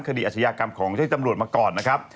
ขดีอาชญากรรมของช่วยจำรวจมาก่อนนะครับ